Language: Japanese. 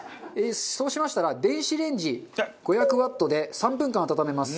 そうしましたら電子レンジ５００ワットで３分間温めます。